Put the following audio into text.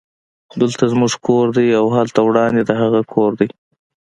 دلته زموږ کور دی او هلته وړاندې د هغوی کور دی